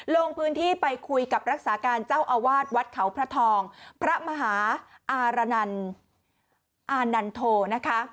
ลงพื้นที่ไปคุยกับรักษาการเจ้าอาวาสวัดเขาพระทองพระมหาอารนันอานันโทนะคะ